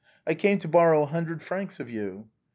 I came to bor row a hundred francs of you."